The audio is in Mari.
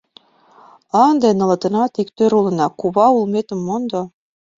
— Ынде нылытынат иктӧр улына: кува улметым мондо.